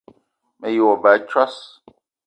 Me ye wo ba a tsos